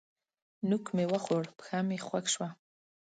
نوک مې وخوړ؛ پښه مې خوږ شوه.